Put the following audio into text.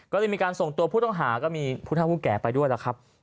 ก็เลยมีการส่งตัวผู้ต้องหาก็มีผู้เท่าผู้แก่ไปด้วยล่ะครับ